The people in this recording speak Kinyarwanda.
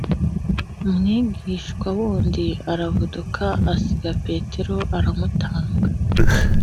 mwigishwa wundi aravuduka asiga petero amutanga